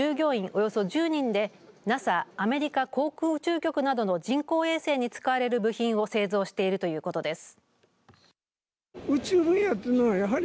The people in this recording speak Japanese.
およそ１０人でＮＡＳＡ、アメリカ航空宇宙局などの人工衛星に使われる部品を製造しているということです。